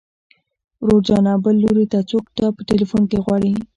ورور جانه بل لوري ته څوک تا په ټليفون کې غواړي.